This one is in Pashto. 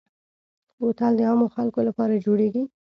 بوتل د عامو خلکو لپاره جوړېږي.